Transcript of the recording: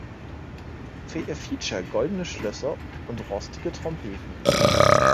Für ihr Feature „Goldene Schlösser und rostige Trompeten.